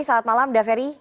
selamat malam daferi